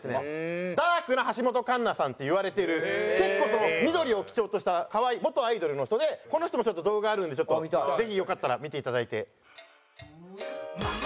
ダークな橋本環奈さんっていわれてる結構緑を基調とした可愛い元アイドルの人でこの人もちょっと動画があるのでぜひよかったら見ていただいて。